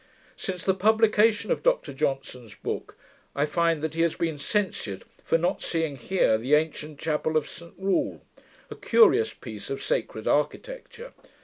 Since the publication of Dr Johnson's book, I find that he has been censured for not seeing here the ancient chapel of St Rule, a curious piece of sacred architecture.